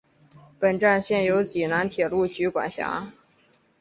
本站现由济南铁路局管辖。